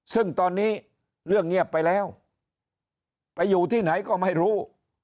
ซึ่งตอนนี้เรื่องเงียบไปแล้วไปอยู่ที่ไหนก็ไม่รู้